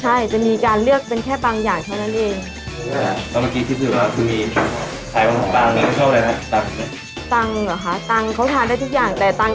ใช่จะมีการเลือกเป็นแค่บางอย่างเท่านั้นเอง